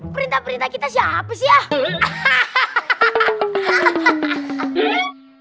perintah perintah kita sering berhenti berangkat